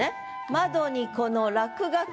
「窓に子の落書き」